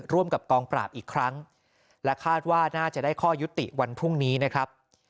ร่วมกับกองปราบอีกครั้งและคาดว่าน่าจะได้ข้อยุติวันพรุ่งนี้นะครับ